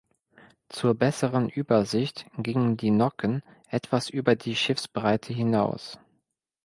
Zur besseren Übersicht gingen die Nocken etwas über die Schiffsbreite hinaus.